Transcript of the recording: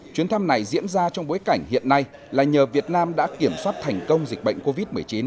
chuyến thăm này diễn ra trong bối cảnh hiện nay là nhờ việt nam đã kiểm soát thành công dịch bệnh covid một mươi chín